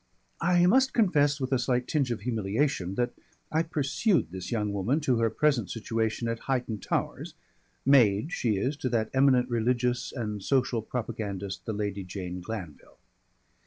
I must confess, with a slight tinge of humiliation, that I pursued this young woman to her present situation at Highton Towers maid she is to that eminent religious and social propagandist, the Lady Jane Glanville.